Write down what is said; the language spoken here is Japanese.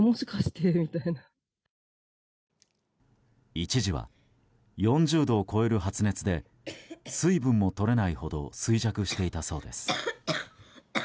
一時は４０度を超える発熱で水分もとれないほど衰弱していたそうです。